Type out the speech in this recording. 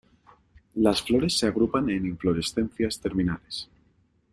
Las flores se agrupan en inflorescencias terminales.